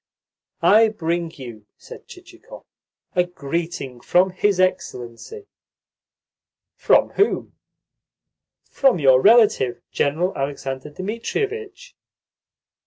"I bring you," said Chichikov, "a greeting from his Excellency." "From whom?" "From your relative General Alexander Dmitrievitch."